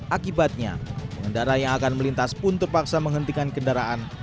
akibatnya pengendara yang akan melintas pun terpaksa menghentikan kendaraan